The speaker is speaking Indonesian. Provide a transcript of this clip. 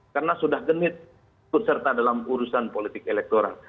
karena sudah genit kutserta dalam urusan politik elektoral